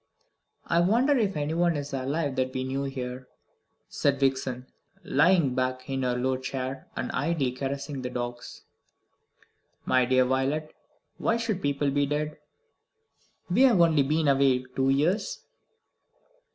"I wonder if anyone is alive that we knew here?" said Vixen, lying back in her low chair, and idly caressing the dogs. "My dear Violet, why should people be dead? We have only been away two years."